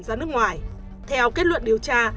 ra nước ngoài theo kết luận điều tra